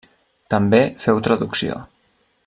També féu traducció.